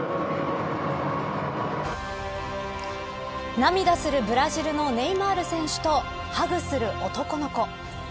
涙するブラジルのネイマール選手とハグする男の子。